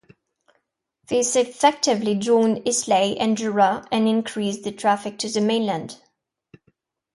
This effectively joined Islay and Jura and increased the traffic to the mainland.